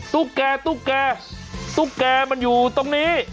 ตุ๊กแก่ตุ๊กแกตุ๊กแกมันอยู่ตรงนี้